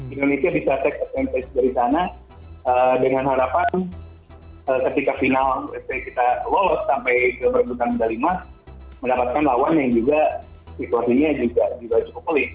indonesia bisa take advantage dari sana dengan harapan ketika final sp kita lolos sampai ke berhubungan ke lima mendapatkan lawan yang juga situasinya juga cukup pelik